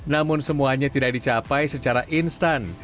namun semuanya tidak dicapai secara instan